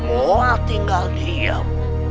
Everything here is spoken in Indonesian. mau tinggal diam